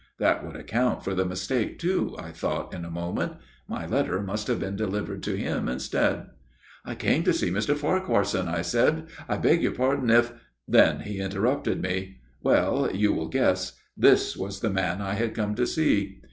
That would account for the mistake too, I thought in a moment. My letter must have been delivered to him instead. "* I came to see Mr. Farquharson,' I said. ' I beg your pardon if ' Then he interrupted me well, you will guess this was the man I had come to see.